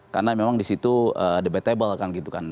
karena memang di situ debatable kan gitu kan